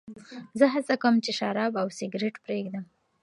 زه هڅه کوم چې شراب او سګرېټ پرېږدم.